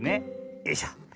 よいしょ。